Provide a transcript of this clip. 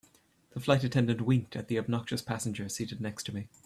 The flight attendant winked at the obnoxious passenger seated next to me.